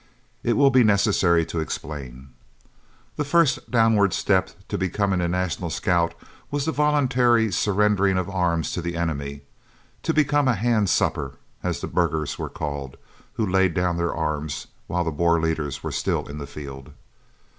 It will be necessary to explain. The first downward step to becoming a National Scout was the voluntary surrendering of arms to the enemy, to become a "handsupper," as the burghers were called, who laid down their arms while the Boer leaders were still in the field.